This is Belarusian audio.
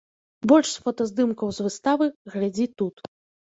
Больш фотаздымкаў з выставы глядзі тут.